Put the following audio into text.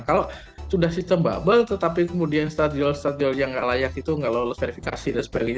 kalau sudah sistem bubble tetapi kemudian stadion stadion yang tidak layak itu nggak lolos verifikasi dan sebagainya